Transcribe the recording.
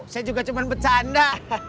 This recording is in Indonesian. saya juga cuma bercanda